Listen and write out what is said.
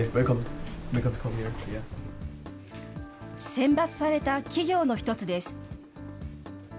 選抜された企業の１つです。